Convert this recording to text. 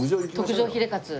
特上ヒレかつ。